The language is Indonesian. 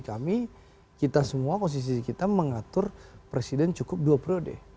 kami kita semua konstitusi kita mengatur presiden cukup dua periode